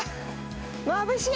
まぶしい！